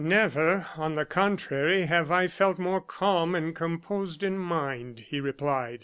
"Never, on the contrary, have I felt more calm and composed in mind," he replied.